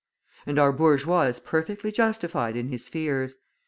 And our bourgeois is perfectly justified in his fears.